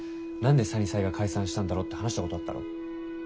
「何でサニサイが解散したんだろう」って話したことあったろ？